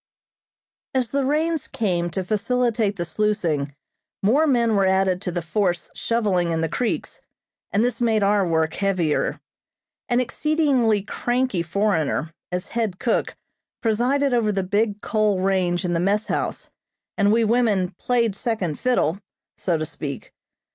As the rains came to facilitate the sluicing, more men were added to the force shovelling in the creeks, and this made our work heavier. An exceedingly cranky foreigner, as head cook, presided over the big coal range in the mess house, and we women "played second fiddle," so to speak.